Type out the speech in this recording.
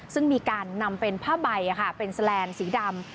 ซึ่งมีการนำเป็นผ้าใบเป็นแสลนด์สีดำ